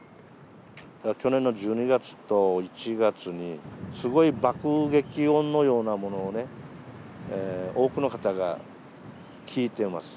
去年の１２月と１月にすごい爆撃音のようなものをね、多くの方が聞いてます。